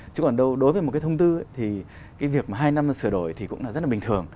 chứ còn đối với một cái thông tư thì cái việc mà hai năm sửa đổi thì cũng là rất là bình thường